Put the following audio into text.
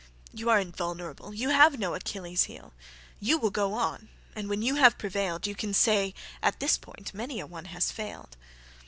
You are invulnerable, you have no Achilles' heel. You will go on, and when you have prevailedYou can say: at this point many a one has failed.